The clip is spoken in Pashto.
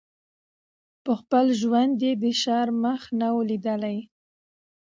په خپل ژوند یې د ښار مخ نه وو لیدلی